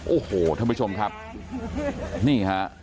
โอ้โหท่านผู้ชมครับนี่ฮะ